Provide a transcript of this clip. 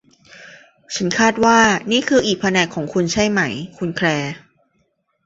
ฉันคาดว่านี่คืออีกแผนกของคุณใช่ไหมคุณแคลร์